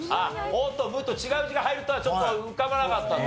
「お」と「む」と違う字が入るとはちょっと浮かばなかったんだ。